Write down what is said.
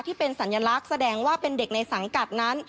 ที่เป็นสัญลักษณ์แสดงว่าเป็นเด็กในสังกัดนั้น